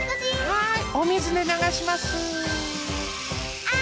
はい。